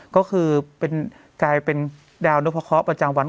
ก็คือกลายเป็นดาวนพเคาะประจำวัน